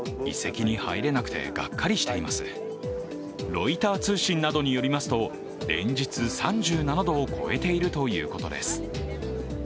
ロイター通信などによりますと、連日３７度を超えているということです。